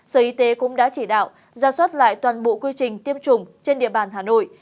sở y tế cũng đã chỉ đạo ra soát lại toàn bộ quy trình tiêm chủng trên địa bàn hà nội